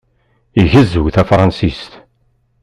Igezzu tafṛensist?